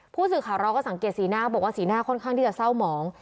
ผู้สื่อข่าวเราก็สังเกตสีหน้าบอกว่าสีหน้าค่อนข้างที่จะเศร้าหมอง